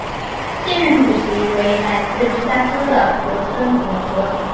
现任主席为来自芝加哥的罗森博格。